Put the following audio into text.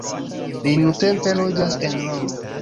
Li nuntempe loĝas en Romo.